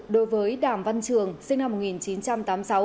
đối với đàm văn trường sinh năm một nghìn chín trăm tám mươi sáu